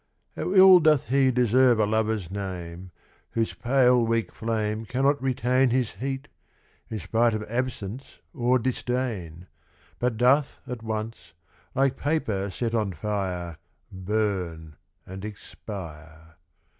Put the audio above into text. HOW ill doth lie deserve a Lover's name Whose pale weak flame Cannot retain His heat, in spite of absence or disdain ; But doth at once, like paper set on fire, Burn and expire